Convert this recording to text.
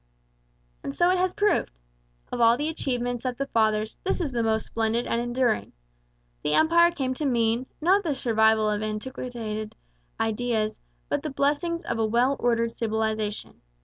And so it has proved. Of all the achievements of the Fathers this is the most splendid and enduring. The Empire came to mean, not the survival of antiquated ideas, but the blessings of a well ordered civilization.